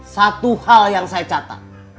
satu hal yang saya catat